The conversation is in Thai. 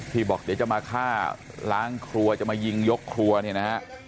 บอกเดี๋ยวจะมาฆ่าล้างครัวจะมายิงยกครัวเนี่ยนะฮะ